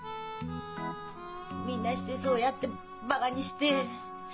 みんなしてそうやってバカにして。